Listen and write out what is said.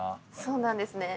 そうなんですね。